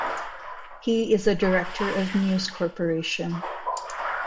He is a director of News Corporation.